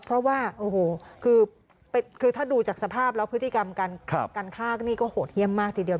เพราะว่าโอ้โหคือถ้าดูจากสภาพแล้วพฤติกรรมการฆ่านี่ก็โหดเยี่ยมมากทีเดียว